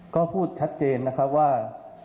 ก็พูดชัดเจนนะครับว่า